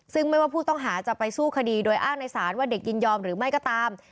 ซึ่งไม่ว่าผู้ต้องหาจะไปสู้คดีโดยอ้างในศาลว่าเด็กยินยอมหรือไม่ก็ตาม